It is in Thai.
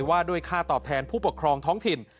ว่าด้วยค่าตอบแทนผู้ปกครองท้องถิ่น